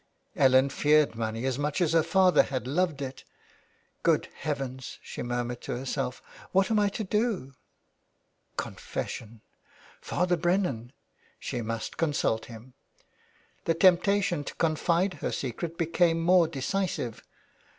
Ellen feared money as much as her father had loved it. '' Good Heavens,*' she murmured to herself, "what am I to do?'' Confession. ... Father Brennan. She must consult him. The temptation to confide her secret became more decisive.